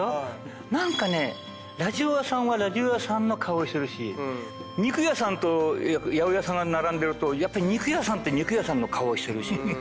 何かねラジオ屋さんはラジオ屋さんの顔をしてるし肉屋さんと八百屋さんが並んでると肉屋さんって肉屋さんの顔をしてるし。